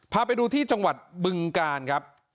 พาไปดูที่จังหวัดบึงกาลครับ